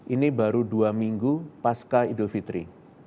ini baru dua minggu pasca idul fitri